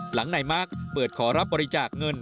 หลังนายมาร์คเปิดขอรับบริจาคเงิน